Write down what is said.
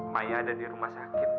maya ada di rumah sakit